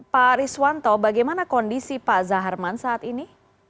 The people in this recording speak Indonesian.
pak riswanto bagaimana kondisi pak zaharman saat ini